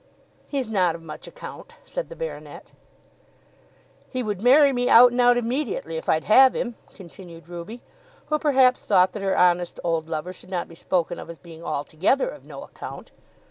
"He's not of much account," said the baronet. "He would marry me out and out immediately, if I'd have him," continued Ruby, who perhaps thought that her honest old lover should not be spoken of as being altogether of no account.